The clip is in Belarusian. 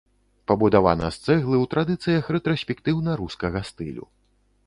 Пабудавана з цэглы ў традыцыях рэтраспектыўна-рускага стылю.